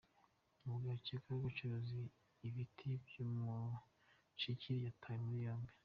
Umugabo ukekwaho gucuruza ibiti by’Umushikiri yatawe muri yombi